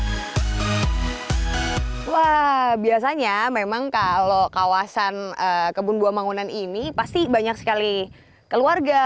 aduh biasanya kalau kalau kebun buah mangunan ini memang pasti banyak sekali keluarga